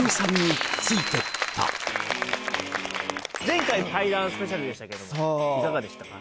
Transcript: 前回怪談スペシャルでしたけれどもいかがでしたか？